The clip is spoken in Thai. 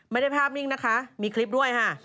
ภาพนิ่งนะคะมีคลิปด้วยค่ะ